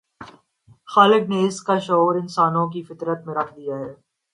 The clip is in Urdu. خالق نے اس کا شعور انسانوں کی فطرت میں رکھ دیا ہے۔